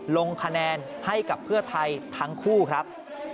ลงคะแนนให้กับเพื่อไทยทั้งคู่ครับ